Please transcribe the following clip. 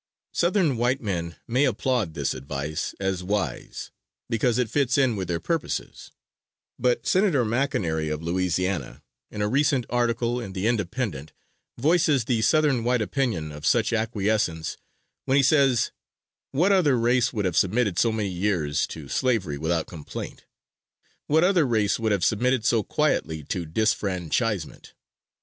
Southern white men may applaud this advice as wise, because it fits in with their purposes; but Senator McEnery of Louisiana, in a recent article in the Independent, voices the Southern white opinion of such acquiescence when he says: "What other race would have submitted so many years to slavery without complaint? _What other race would have submitted so quietly to disfranchisement?